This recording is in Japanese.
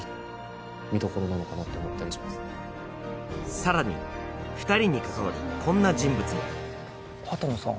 さらに２人に関わるこんな人物も畑野さん